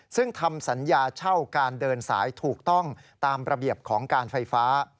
ซึ่งทำสัญญาเช่าการเดินสายถูกต้องตามระเบียบของการไฟฟ้า